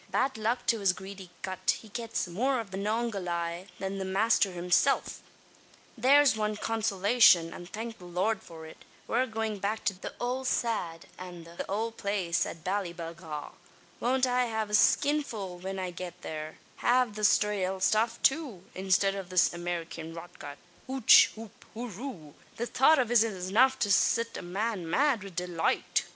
Bad luck to his greedy gut! he gets more av the Manongahayla than the masther himsilf. "There's wan consolashun, an thank the Lord for it, we're goin' back to the owld sad, an the owld place at Ballyballagh. Won't I have a skinful when I get thare av the raal stuff too, instid of this Amerikyan rotgut! Hooch hoop horoo! The thought av it's enough to sit a man mad wid deloight.